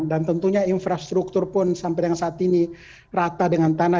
dan tentunya infrastruktur pun sampai dengan saat ini rata dengan tanah